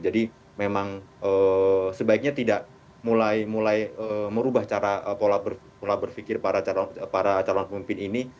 jadi memang sebaiknya tidak mulai merubah cara pola berpikir para calon pemimpin ini